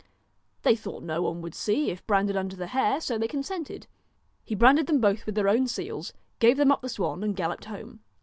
They thought no one would see if branded under the hair, so they consented. He branded them both with their own seals, gave them up the swan and galloped home.